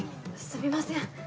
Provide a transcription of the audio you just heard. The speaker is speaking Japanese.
すみません。